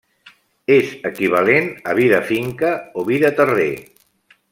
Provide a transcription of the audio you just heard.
És equivalent a vi de finca o vi de terrer.